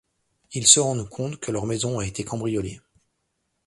Ils se rendent compte que leur maison a été cambriolée.